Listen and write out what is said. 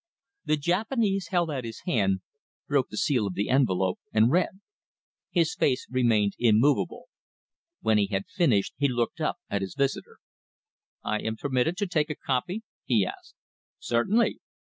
The Japanese held out his hand, broke the seal of the envelope, and read. His face remained immovable. When he had finished he looked up at his visitor. "I am permitted to take a copy?" he asked. "Certainly!"